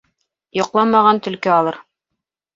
Йоҡламаған төлкө алыр.